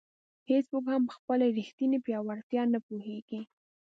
هیڅوک هم په خپله ریښتیني پیاوړتیا نه پوهېږي.